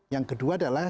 yang kedua adalah